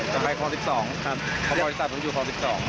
จะไปขอ๑๒ครับ